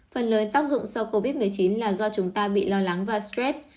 phần lớn tóc dụng sau covid một mươi chín là do chúng ta bị lo lắng và stress